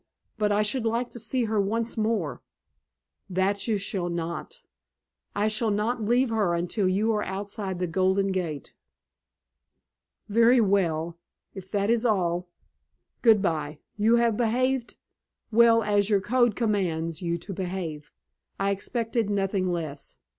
But I should like to see her once more." "That you shall not! I shall not leave her until you are outside the Golden Gate." "Very well. If that is all " "Good by. You have behaved well, as our code commands you to behave. I expected nothing less.